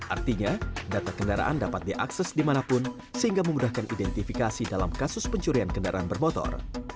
artinya data kendaraan dapat diakses dimanapun sehingga memudahkan identifikasi dalam kasus pencurian kendaraan bermotor